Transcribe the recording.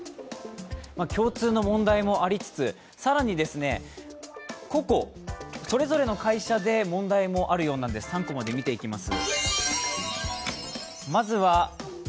共通の問題もありつつ、更に個々それぞれの会社で問題もあるようなので３コマで見ていきます。